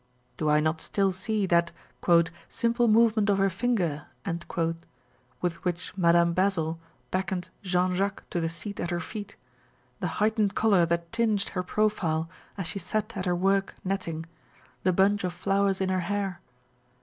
Do I not still see that "simple movement of her finger" with which Madame Basil beckoned Jean Jacques to the seat at her feet, the heightened colour that tinged her profile as she sat at her work netting, the bunch of flowers in her hair